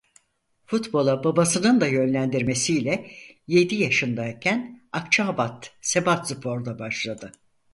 Futbola babasının da yönlendirmesiyle yedi yaşındayken Akçaabat Sebatspor'da başladı.